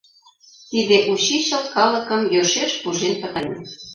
Тиде учичыл калыкым йӧршеш пужен пытарен.